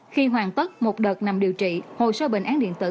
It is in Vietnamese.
khi hoàn tất một đợt nằm điều trị hồ sơ bệnh án điện tử